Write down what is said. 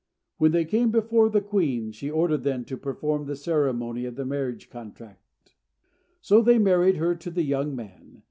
When they came before the queen, she ordered them to perform the ceremony of the marriage contract. So they married her to the young man.